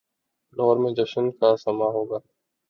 لاہور میں جشن کا سماں ہو گا۔